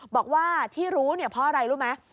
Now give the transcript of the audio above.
บอกว่าที่รู้พ่ออะไรรู้ไหม